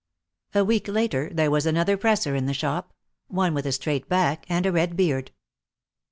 A week later there was another presser in the shop, one with a straight back and a red beard.